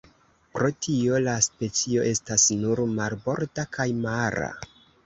Pro tio la specio estas nur marborda kaj mara.